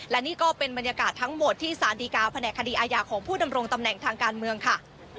และนี่ก็เป็นบรรยากาศทั้งหมดที่สารดีกาแผนกคดีอาญาของผู้ดำรงตำแหน่งทางการเมืองค่ะ